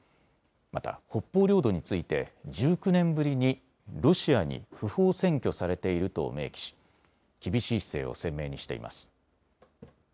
また北方領土について１９年ぶりにロシアに不法占拠されていると明記し厳しい姿勢を鮮明にしています。